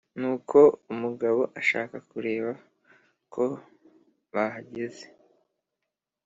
nuko umugabo ashaka kureba ko bahagezr